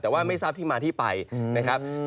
แต่ว่าไม่ทราบที่มาที่ไปนะครับ